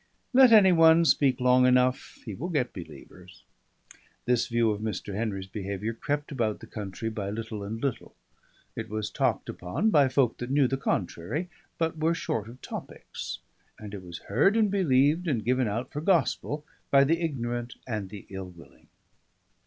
Let any one speak long enough, he will get believers. This view of Mr. Henry's behaviour crept about the country by little and little; it was talked upon by folk that knew the contrary, but were short of topics; and it was heard and believed and given out for gospel by the ignorant and the ill willing.